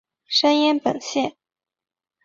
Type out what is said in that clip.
山阴本线。